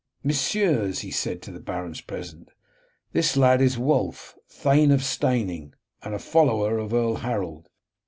"Messieurs," he said to the barons present, "this lad is Wulf, Thane of Steyning, and a follower of Earl Harold.